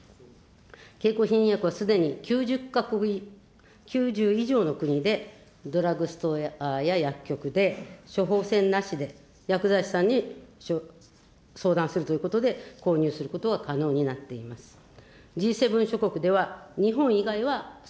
経口避妊薬はすでに９０以上の国でドラッグストアや薬局で、処方箋なしで薬剤師さんに相談するということで、購入することは可能になっています。